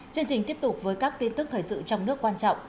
chương trình tiếp tục với các tin tức thời sự trong nước quan trọng